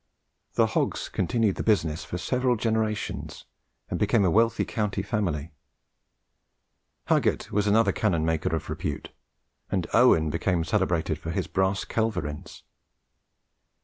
The Hogges continued the business for several generations, and became a wealthy county family. Huggett was another cannon maker of repute; and Owen became celebrated for his brass culverins.